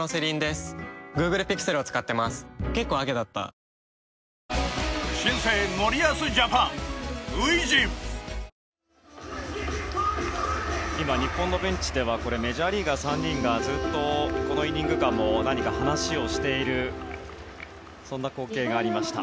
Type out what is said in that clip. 東京海上日動日本のベンチではメジャーリーガー３人がずっと、このイニング間も何か話をしているそんな光景がありました。